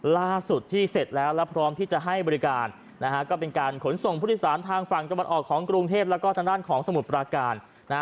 ล่าสุดที่เสร็จแล้วแล้วพร้อมที่จะให้บริการนะฮะก็เป็นการขนส่งผู้โดยสารทางฝั่งตะวันออกของกรุงเทพแล้วก็ทางด้านของสมุทรปราการนะฮะ